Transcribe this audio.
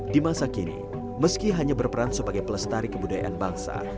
di masa kini meski hanya berperan sebagai pelestari kebudayaan bangsa